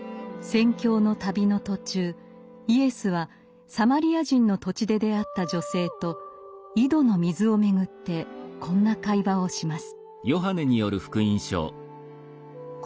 宣教の旅の途中イエスはサマリア人の土地で出会った女性と井戸の水をめぐってこんな会話をします。